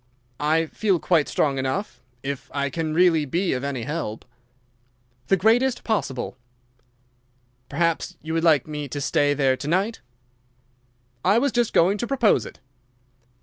"I feel quite strong enough, if I can really be of any help." "The greatest possible." "Perhaps you would like me to stay there to night?" "I was just going to propose it."